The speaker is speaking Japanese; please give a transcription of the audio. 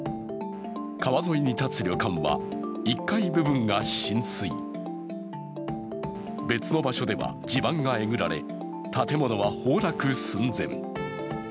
川沿いに建つ旅館は１階部分が浸水別の場所でも地盤がえぐられ建物は崩落寸前。